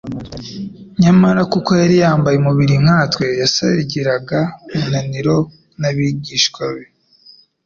Nyamara kuko yari yambaye umubiri nkatwe, yasarigiraga umunaniro n'abigishwa be.